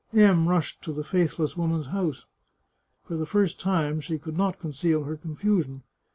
M rushed to the faithless woman's house. For the first time she could not conceal her confusion.